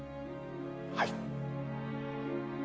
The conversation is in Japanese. はい。